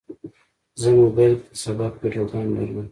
زه موبایل کې د سبق ویډیوګانې لرم.